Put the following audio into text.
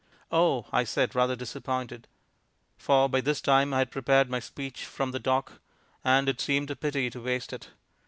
"Oh!" I said, rather disappointed. For by this time I had prepared my speech from the dock, and it seemed a pity to waste it.